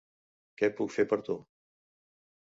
Què puc fer per tu?